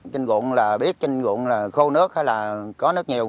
trên ruộng là biết trên ruộng là khô nước hay là có nước nhiều